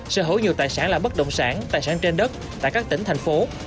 sở hữu nhiều tài sản là bất động sản tài sản trên đất tại các tỉnh thành phố